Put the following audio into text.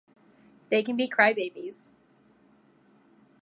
They can be crybabies.